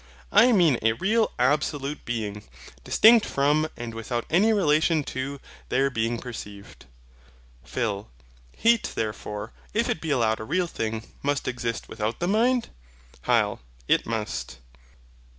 I mean a real absolute being, distinct from, and without any relation to, their being perceived. PHIL. Heat therefore, if it be allowed a real being, must exist without the mind? HYL. It must.